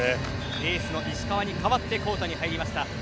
エースの石川に代わってコートに入りました。